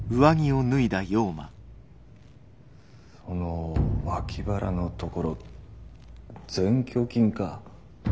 その脇腹のところ「前鋸筋」か？